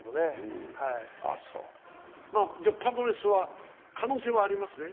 パドレスは可能性ありますね？